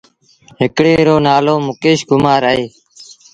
هڪڙي روٚ نآلو مڪيش ڪمآر اهي۔